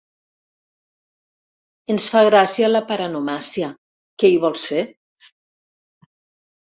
Ens fa gràcia la paronomàsia, què hi vols fer.